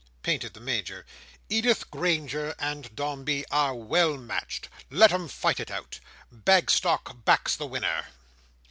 panted the Major, "Edith Granger and Dombey are well matched; let 'em fight it out! Bagstock backs the winner!"